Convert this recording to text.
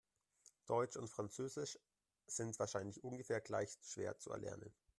Deutsch und Französisch sind wahrscheinlich ungefähr gleich schwer zu erlernen.